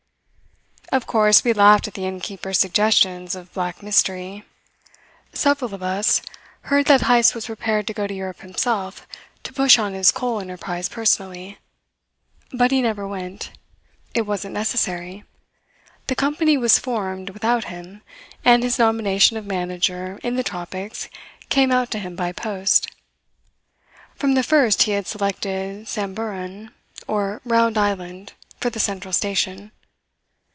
Of course, we laughed at the innkeeper's suggestions of black mystery. Several of us heard that Heyst was prepared to go to Europe himself, to push on his coal enterprise personally; but he never went. It wasn't necessary. The company was formed without him, and his nomination of manager in the tropics came out to him by post. From the first he had selected Samburan, or Round Island, for the central station.